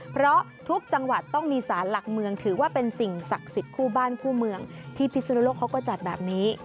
เพราะทุกจังหวัดต้องมีสารหลักเมืองถือว่าเป็นสิ่งศักดิ์สิทธิ์คู่บ้านคู่เมืองที่พิสุนโลกเขาก็จัดแบบนี้